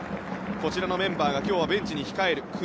こちらのメンバーが今日ベンチに控えます。